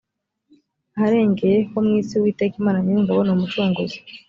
aharengeye ho mu isi uwiteka imana nyiringabo ni umucunguzi.